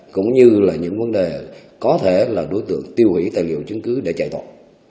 cũng như là những vấn đề có thể là đối tượng tiêu hủy tài liệu chứng cứ để chạy tội